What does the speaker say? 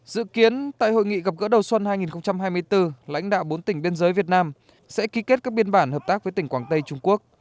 dự kiến tại hội nghị gặp gỡ đầu xuân hai nghìn hai mươi bốn lãnh đạo bốn tỉnh biên giới việt nam sẽ ký kết các biên bản hợp tác với tỉnh quảng tây trung quốc